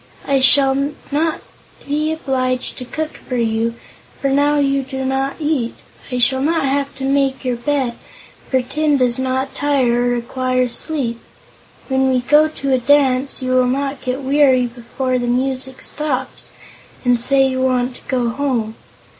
I shall not be obliged to cook for you, for now you do not eat; I shall not have to make your bed, for tin does not tire or require sleep; when we go to a dance, you will not get weary before the music stops and say you want to go home.